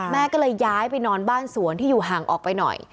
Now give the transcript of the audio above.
แม่ก็เลยย้ายไปนอนบ้านสวนที่อยู่ห่างออกไปหน่อย